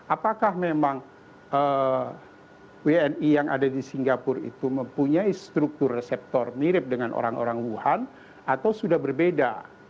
apakah memang wni yang ada di singapura itu mempunyai struktur reseptor mirip dengan orang orang wuhan atau sudah berbeda